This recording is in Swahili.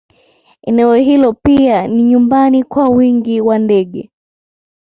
Eneo hilo pia ni nyumbani kwa wingi wa ndege